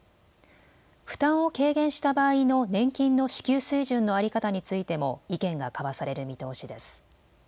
負担を軽減した場合の年金の支給水準の在り方についても意見が交わされる見通しです。